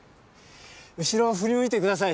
後ろ振り向いて下さい。